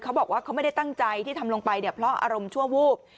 เขาบอกว่าเขาไม่ได้ตั้งใจที่ทำลงไปเนี่ยเพราะอารมณ์ชั่ววูบ